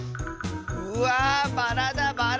うわあバラだバラだ！